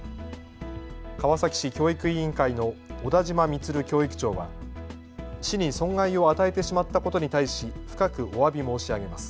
川崎市教育委員会の小田嶋満教育長は市に損害を与えてしまったことに対し深くおわび申し上げます。